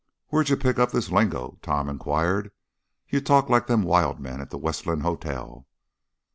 "Where'd you pick up this lingo?" Tom inquired. "You talk like them wild men at the Westland Hotel."